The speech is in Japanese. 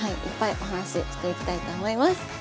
いっぱいお話していきたいと思います。